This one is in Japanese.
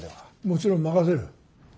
もちろん任せる。